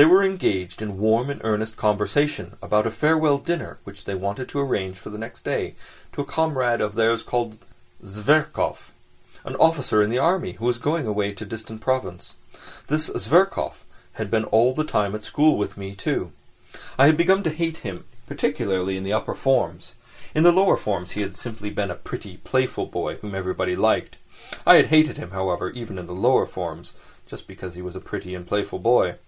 They were engaged in warm and earnest conversation about a farewell dinner which they wanted to arrange for the next day to a comrade of theirs called Zverkov, an officer in the army, who was going away to a distant province. This Zverkov had been all the time at school with me too. I had begun to hate him particularly in the upper forms. In the lower forms he had simply been a pretty, playful boy whom everybody liked. I had hated him, however, even in the lower forms, just because he was a pretty and playful boy.